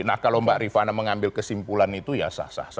nah kalau mbak rifana mengambil kesimpulan itu ya sah sah saja